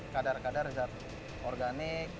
kadar kadar zat organik